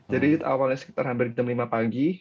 jadi awalnya sekitar hampir jam lima pagi